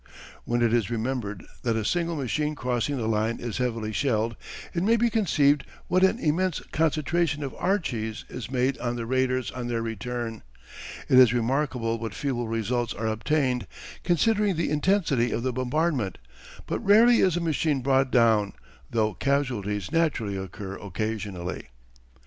When it is remembered that a single machine crossing the line is heavily shelled it may be conceived what an immense concentration of "Archies" is made on the raiders on their return. It is remarkable what feeble results are obtained considering the intensity of the bombardment, but rarely is a machine brought down, though casualties naturally occur occasionally.